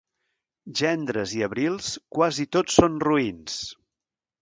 Gendres i abrils, quasi tots són roïns.